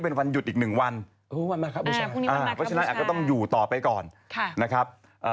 เพราะฉะนั้นอาจจะต้องอยู่ต่อไปก่อนนะครับ